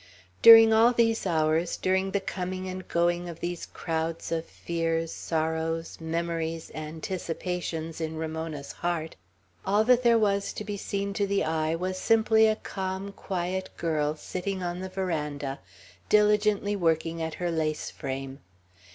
During all these hours, during the coming and going of these crowds of fears, sorrows, memories, anticipations in Ramona's heart, all that there was to be seen to the eye was simply a calm, quiet girl, sitting on the veranda, diligently working at her lace frame.